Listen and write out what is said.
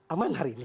aman hari ini